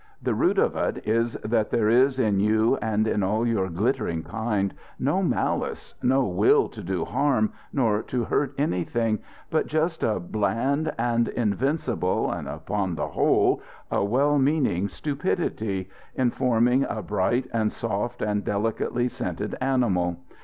The root of it is that there is in you and in all your glittering kind no malice, no will to do harm nor to hurt anything, but just a bland and invincible and, upon the whole, a well meaning stupidity, informing a bright and soft and delicately scented animal.